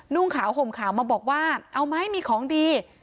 นุ่งขาวห่มขาวมาบอกว่าเอาไหมมีของดี